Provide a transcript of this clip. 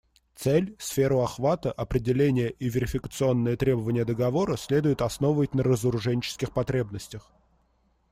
Цель, сферу охвата, определение и верификационные требования договора следует основывать на разоруженческих потребностях.